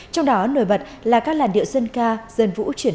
trong đó nổi bật là các làn điệu dân ca dân vũ truyền thống